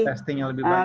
testing yang lebih baik